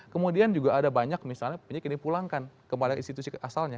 kemudian juga ada banyak misalnya penyidik yang dipulangkan kembali ke institusi asalnya